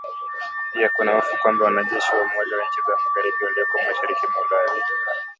Pia kuna hofu kwamba wanajeshi wa umoja wa nchi za magharibi walioko mashariki mwa Ulaya